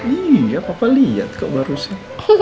iya papa lihat kok barusan